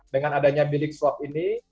dengan adanya bilik swab ini